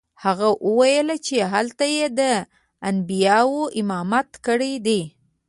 هغه وویل چې هلته یې د انبیاوو امامت کړی دی.